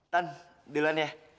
tan duluan ya